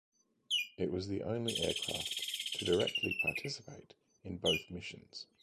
It was the only aircraft to directly participate in both missions.